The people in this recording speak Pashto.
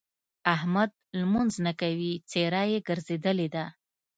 احمد لمونځ نه کوي؛ څېره يې ګرځېدلې ده.